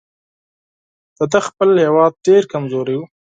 د ده خپل هیواد ډېر کمزوری وو.